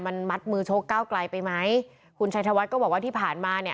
มันมัดมือชกก้าวไกลไปไหมคุณชัยธวัฒน์ก็บอกว่าที่ผ่านมาเนี่ย